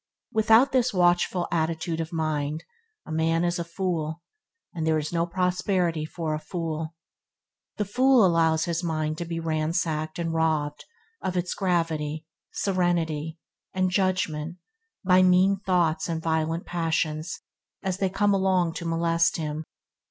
Without this watchful attitude of mind, a man is a fool, and there is no prosperity for a fool. The fool allows his mind to be ransacked and robbed of its gravity, serenity, and judgement by mean thoughts and violent passions as they come along to molest him.